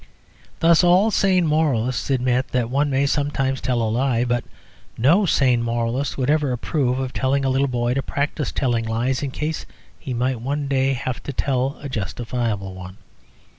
Thus, all sane moralists admit that one may sometimes tell a lie; but no sane moralist would approve of telling a little boy to practise telling lies, in case he might one day have to tell a justifiable one.